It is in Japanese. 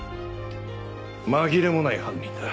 紛れもない犯人だ。